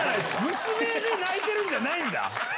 娘で泣いてるんじゃないんだ！